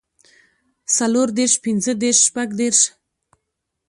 څلور دېرش پنځۀ دېرش شپږ دېرش